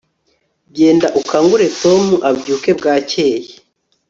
genda ukangure tom abyuke bwakeye